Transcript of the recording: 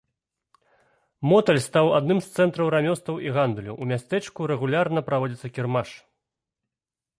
Моталь стаў адным з цэнтраў рамёстваў і гандлю, у мястэчку рэгулярна праводзіцца кірмаш.